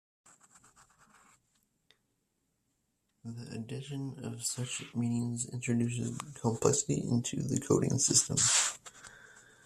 The addition of such meanings introduces complexity into the coding system.